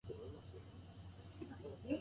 いちご狩り